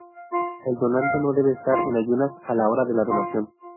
El donante no debe estar en ayunas a la hora de la donación.